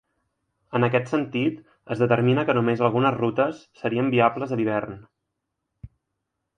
En aquest sentit, es determina que només algunes rutes serien viables a l’hivern.